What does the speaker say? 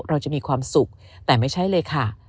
เราจะมีความสุขแต่ไม่ใช่เลยค่ะ